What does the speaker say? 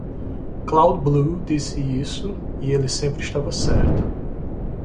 Cloud-Blue disse isso e ele sempre estava certo.